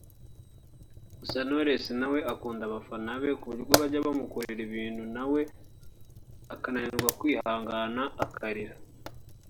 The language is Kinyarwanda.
Gusa Knowless nawe akunda abafana be kuburyo bajya bamukorera ibintu nawe akananirwa kwihangana akarira